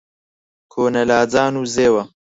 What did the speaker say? کۆنە لاجان و زێوە